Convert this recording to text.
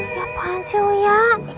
ya apaan sih uya